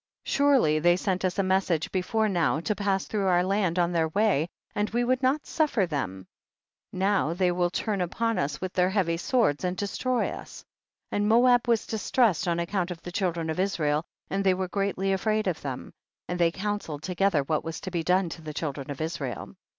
Surely they sent us a message before now to pass through our land on their way, and we would not suffer them, now they will turn upon us with their heavy swords and destroy us ; and Moab was distressed on ac count of the children of Israel, and they were greatly afraid of them, and they counselled together what was to be done to the children of Israel.